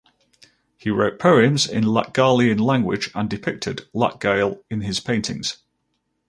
He wrote poems in Latgalian language and depicted Latgale in his paintings.